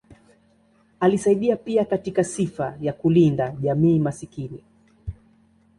Alisaidia pia katika sifa ya kulinda jamii maskini.